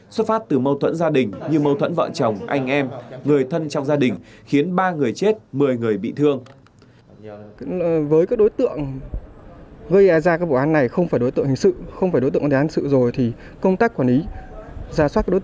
xuất phát từ mâu thuẫn gia đình như mâu thuẫn vợ chồng anh em người thân trong gia đình khiến ba người chết một mươi người bị thương